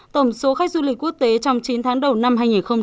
tổng số khách du lịch quốc tế trong chín tháng đầu năm hai nghìn một mươi tám